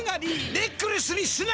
ネックレスにすな！